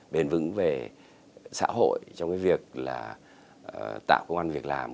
bền vững về xã hội trong cái việc là tạo công an việc làm